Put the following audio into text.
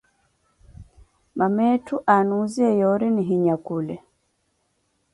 Mama etthu aanuziye yoori nihinyakhule.